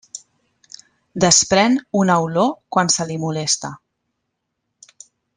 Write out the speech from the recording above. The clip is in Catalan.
Desprèn una olor quan se li molesta.